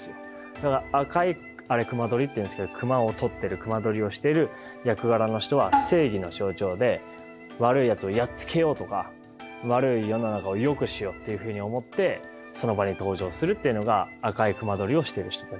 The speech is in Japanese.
だから赤いあれ隈取っていうんですけど隈を取ってる隈取りをしている役柄の人は正義の象徴で悪いやつをやっつけようとか悪い世の中をよくしようっていうふうに思ってその場に登場するっていうのが赤い隈取をしている人たちで。